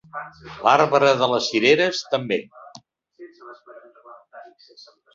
L'arbre de les cireres, també.